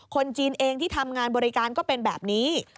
จีนเองที่ทำงานบริการก็เป็นแบบนี้